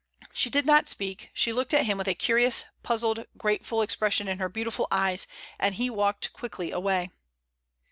She did not speak — she looked at him with a curious, puzzled, grateful ex pression in her beautiful eyes, and he walked quickly away.